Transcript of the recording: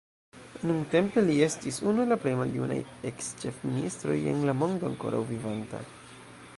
Nuntempe li estis unu el la plej maljunaj eks-ĉefministroj en la mondo ankoraŭ vivanta.